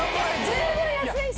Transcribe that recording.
十分安いし。